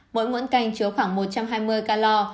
mỗi canh chứa khoảng một trăm hai mươi calor